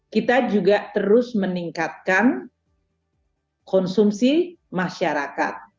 kita juga terus meningkatkan konsumsi masyarakat